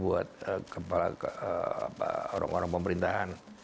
buat kepala orang orang pemerintahan